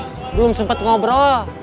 belum sempet ngobrol